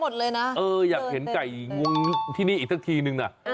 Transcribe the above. เต็มไปหมดเลยเหนาะ